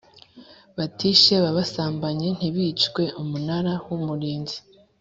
Batisheba basambanye ntibicwe Umunara w Umurinzi